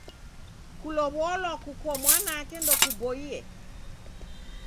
Kulow'olwa kuko mwanake ndokuboie!